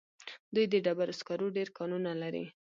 دوی د ډبرو سکرو ډېر کانونه لري.